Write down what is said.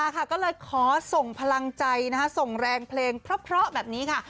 ก็เลยขอส่งพลังใจส่งแรงเพลงเพราะแบบนี้ค่ะ